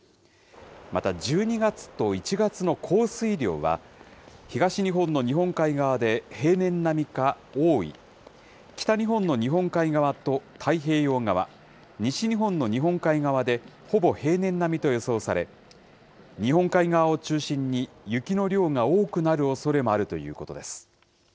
また１２月と１月の降水量は、東日本の日本海側で平年並みか多い、北日本の日本海側と太平洋側、西日本の日本海側で、ほぼ平年並みと予想され、日本海側を中心に雪の量が多くなるおそれもあるということです。